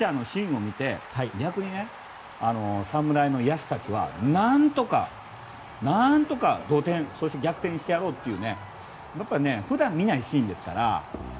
ただ、こういうピッチャーのシーンを見て逆に侍の野手たちは何とか同点そして逆転してやろうという普段、見ないシーンですから。